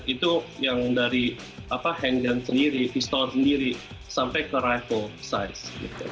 itu yang dari handgun sendiri pistol sendiri sampai ke rifle size